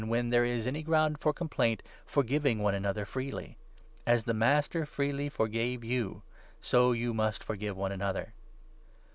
when 13 there is any ground for complaint, forgiving one another freely. As the Master freely forgave you, so you must for give one another.